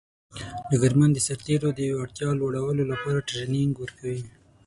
ډګرمن د سرتیرو د وړتیا لوړولو لپاره ټرینینګ ورکوي.